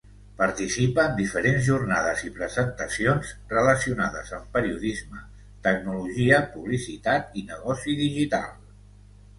Participa en diferents jornades i presentacions relacionades en periodisme, tecnologia, publicitat i negoci digital.